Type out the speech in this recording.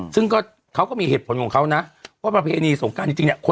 ซึ่งก็เขาก็มีเหตุผลของเขานะว่าประเพณีสงการจริงเนี่ย